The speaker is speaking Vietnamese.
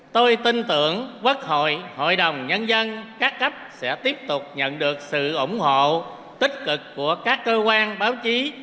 tôi tin tưởng quốc hội hội đồng nhân dân các cấp sẽ tiếp tục nhận được sự ủng hộ tích cực của các cơ quan báo chí